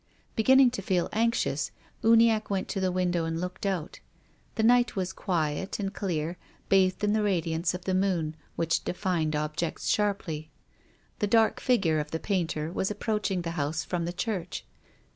Beginning to feel anxious, Uniacke went to the window and looked out. The night was quiet and clear, bathed in the radiance of the moon, which defined objects sharply. The dark figure of the painter was approaching the house from the church.